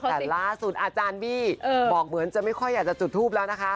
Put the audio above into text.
แต่ล่าสุดอาจารย์บี้บอกเหมือนจะไม่ค่อยอยากจะจุดทูปแล้วนะคะ